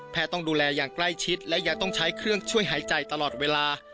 ต้องดูแลอย่างใกล้ชิดและยังต้องใช้เครื่องช่วยหายใจตลอดเวลา